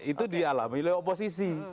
itu dialami oleh oposisi